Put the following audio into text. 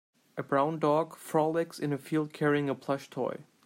A brown dog frolics in a field carrying a plush toy